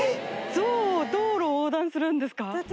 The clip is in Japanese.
ゾウ道路を横断するんですか？